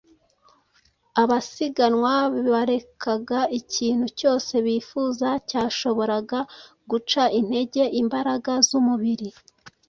abasiganwa barekaga ikintu cyose bifuza cyashoboraga guca intege imbaraga z’umubiri